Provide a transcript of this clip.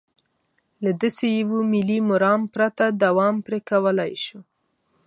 له داسې یوه ملي مرام پرته دوا پرې کولای شو.